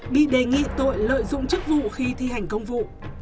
bị đề nghị tội lợi dụng chức vụ khi thi hành công vụ